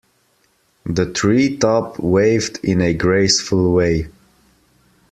The tree top waved in a graceful way.